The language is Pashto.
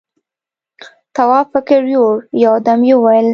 تواب فکر يووړ، يو دم يې وويل: